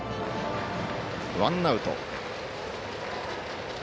ワンアウト。